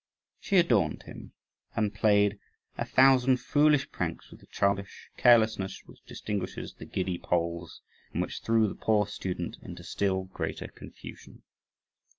She adorned him, and played a thousand foolish pranks, with the childish carelessness which distinguishes the giddy Poles, and which threw the poor student into still greater confusion.